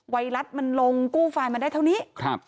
ไวรัสมันลงกู้ไฟล์มาได้เท่านี้